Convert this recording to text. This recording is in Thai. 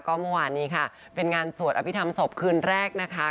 ก็เมื่อวานนี้ค่ะเป็นงานสวดอภิษฐรรมศพคืนแรกนะคะ